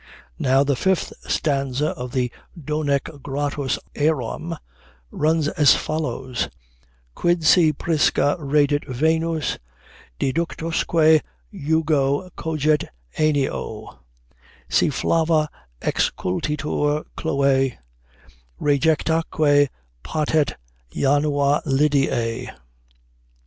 Now the fifth stanza of the "Donec gratus eram" runs as follows: "Quid si prisca redit Venus Diductosque jugo cogit aëneo, Si flava excutitur Chloë Rejectaeque patet janua Lydiae?"